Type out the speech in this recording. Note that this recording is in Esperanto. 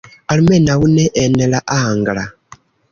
Almenaŭ ne en la angla